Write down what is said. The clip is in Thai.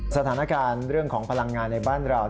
สถานการณ์เรื่องของพลังงานในบ้านเรา